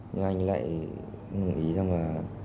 nhưng anh lại nghĩ rằng là